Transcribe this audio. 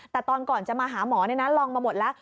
แต่ตอนก่อนจะมาหาหมอลองมาหมดแล้ว